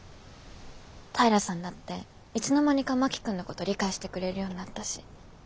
平さんだっていつの間にか真木君のこと理解してくれるようになったし